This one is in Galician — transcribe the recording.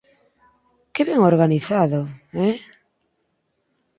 Que ben organizado, ¿eh...?